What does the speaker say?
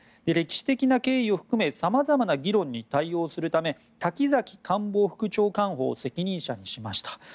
歴史的な経緯を含めさまざまな議論に対応するため滝崎官房副長官補を責任者にしました。